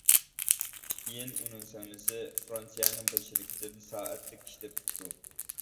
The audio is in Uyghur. كېيىن ئۇنىڭ سىڭلىسى فىرانسىيەنىڭ بىر شىركىتىدىن سائەتلىك ئىش تېپىپتۇ.